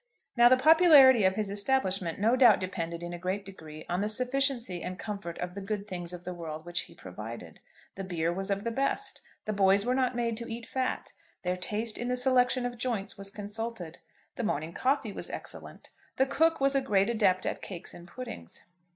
Now the popularity of his establishment no doubt depended in a great degree on the sufficiency and comfort of the good things of the world which he provided. The beer was of the best; the boys were not made to eat fat; their taste in the selection of joints was consulted. The morning coffee was excellent. The cook was a great adept at cakes and puddings.